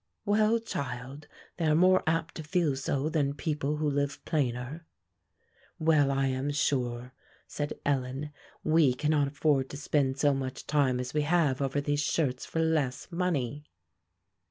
"Well, child, they are more apt to feel so than people who live plainer." "Well, I am sure," said Ellen, "we cannot afford to spend so much time as we have over these shirts for less money."